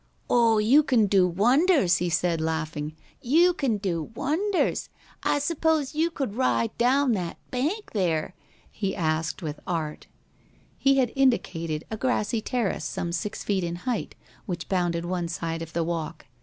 "Oh, you can do wonders!" he said, laughing. "You can do wonders! I s'pose you could ride down that bank there?" he asked, with art. He had indicated a grassy terrace some six feet in height which bounded one side of the walk.